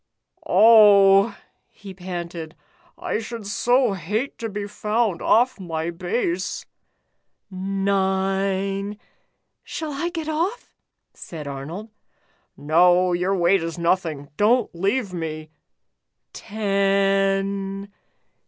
'' "Oh," he panted, "I should so hate to be found ' off my base.' '' Nine !" "Shall I get off?" said Arnold. " No, your weight is nothing. Don't leave me. " Ten!"